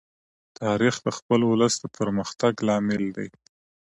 تاریخ د خپل ولس د پرمختګ لامل دی.